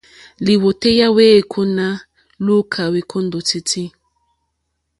Lìwòtéyá wèêkóná lùúkà wêkóndòtítí.